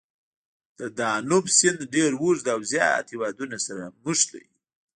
د دانوب سیند ډېر اوږد او زیات هېوادونه سره نښلوي.